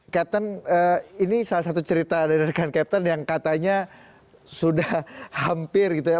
captain ini salah satu cerita dari rekan captain yang katanya sudah hampir gitu ya